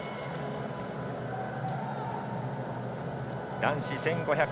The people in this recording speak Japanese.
男子１５００